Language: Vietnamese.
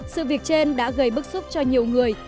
sự việc trên đã gây bức xúc cho nhiều người